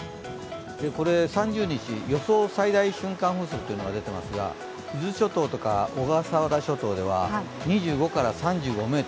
３０日、予想最大瞬間風速が出ていますが伊豆諸島とか小笠原諸島では２５３５ｍ。